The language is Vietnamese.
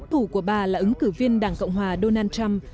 thủ của bà là ứng cử viên đảng cộng hòa donald trump